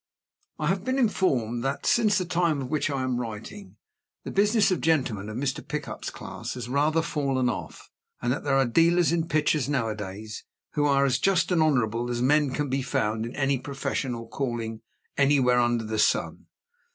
I have been informed that, since the time of which I am writing, the business of gentlemen of Mr. Pickup's class has rather fallen off, and that there are dealers in pictures, nowadays, who are as just and honorable men as can be found in any profession or calling, anywhere under the sun.